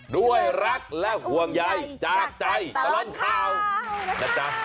ด้วยรักและห่วงใหญ่จากใจตะล้มข้าว